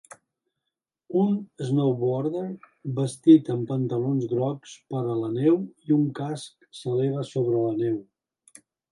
Un snowboarder vestit amb pantalons grocs per a la neu i un casc s'eleva sobre la neu.